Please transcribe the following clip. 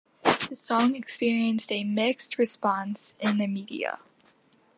The song experienced a mixed response in the media.